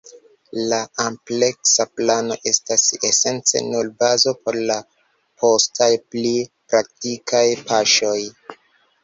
La ampleksa plano estas esence nur bazo por la postaj, pli praktikaj paŝoj.